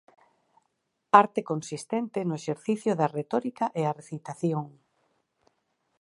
Arte consistente no exercicio da retórica e a recitación.